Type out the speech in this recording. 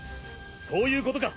そういうことか。